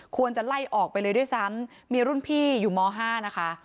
ควรจะไล่ออกไปเลยด้วยซ้ำมีรุ่นพี่อยู่ม๕นะคะ